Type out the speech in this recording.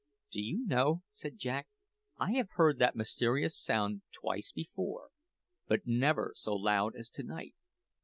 "Do you know," said Jack, "I have heard that mysterious sound twice before, but never so loud as to night.